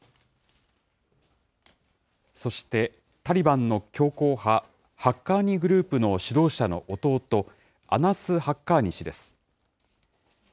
そしてタリバンの強硬派、ハッカーニ・グループの指導者の弟、アナス・ハッカーニ氏です。